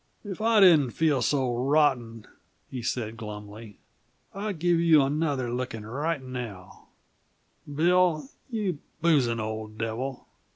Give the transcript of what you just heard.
"If I didn't feel so rotten," he said glumly, "I'd give you another licking right now, Bill you boozing old devil.